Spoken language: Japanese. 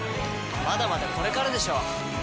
まだまだこれからでしょ！